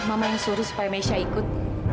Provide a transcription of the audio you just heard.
mama yang suruh supaya mesha ikut